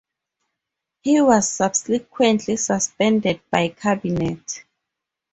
He was subsequently suspended by Cabinet.